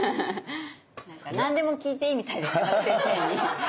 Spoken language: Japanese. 何でも聞いていいみたいですよ山田先生に。